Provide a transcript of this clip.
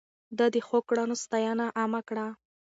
ده د ښو کړنو ستاينه عامه کړه.